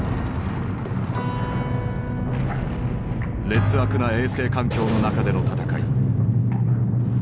劣悪な衛生環境の中での戦い。